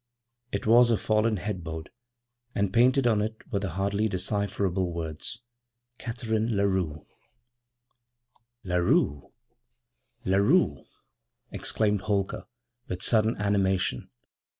It was a fallen headboard, and painted on it were the hardly decipherable words, 'Catharine Larue.' 'Larue, Larue!' exclaimed Holker, with sudden animation.